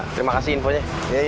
terima kasih infonya